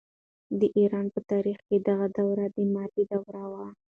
د ایران په تاریخ کې دغه دوره د ماتې دوره وه.